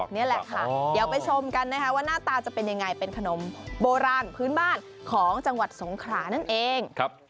นี่แหละค่ะเดี๋ยวไปชมกันนะคะว่าหน้าตาจะเป็นยังไงเป็นขนมโบราณพื้นบ้านของจังหวัดสงขรานั่นเอง